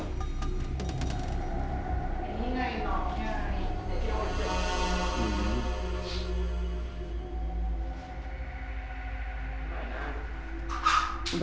อันนั้นอะไรวะ